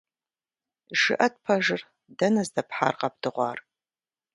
ЖыӀэт пэжыр, дэнэ здэпхьар къэбдыгъуар?